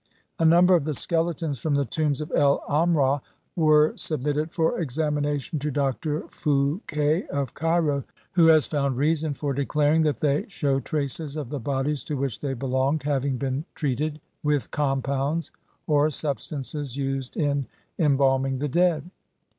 A number of the skeletons from the tombs of El 'Amrah were sub mitted for examination to Dr. Fouquet of Cairo, who has found reason for declaring that they shew traces of the bodies to which they belonged having been treat ed with compounds or substances used in embalming the dead.